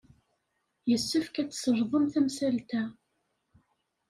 Yessefk ad tselḍem tamsalt-a.